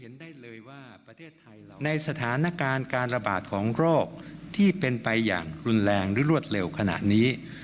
ในสถานการณ์การระบาดของโรคที่เป็นไปอย่างรุนแรงหรือรวดเร็วขนาดนี้